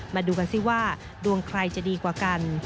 มาดูกันสิว่าดวงใครจะดีกว่ากัน